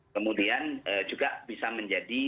kemudian juga bisa menjadi